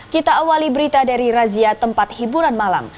kita awali berita dari razia tempat hiburan malam